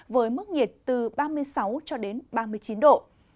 với mức nhiệt từ ba mươi sáu cho đến ba mươi chín độ